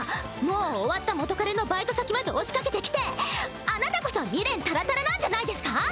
もう終わった元カレのバイト先まで押しかけてきてあなたこそ未練タラタラなんじゃないですか？